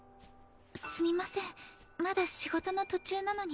すみませんまだ仕事の途中なのに。